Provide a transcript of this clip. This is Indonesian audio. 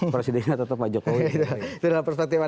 presidennya tetap pak jokowi